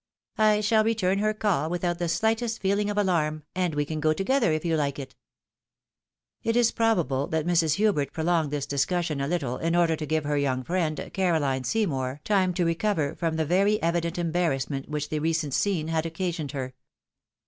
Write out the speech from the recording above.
I shall return her call without the slightest feel ing of alarm, and we can go together, if you hke it." It is probable that Mrs. Hubert prolonged this discussion a little, in order to give her young friend, Caroline Seymour, time to recover from the very evident embarrassment which the recent scene had occasioned her.